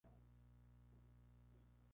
Incluso cuando son blancos del todo.